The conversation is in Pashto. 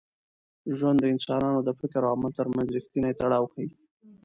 ژوند د انسان د فکر او عمل تر منځ رښتینی تړاو ښيي.